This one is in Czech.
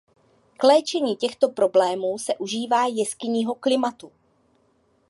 K léčení těchto problémů se užívá jeskynního klimatu.